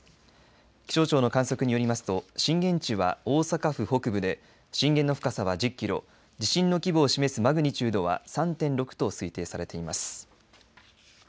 気象庁の観測によりますと震源地は大阪府北部で震源の深さは１０キロ地震の規模を示すマグニチュードは３．６と推定されています。